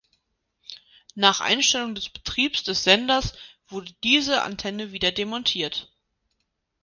Nach Einstellung des Betriebs des Senders wurde diese Antenne wieder demontiert.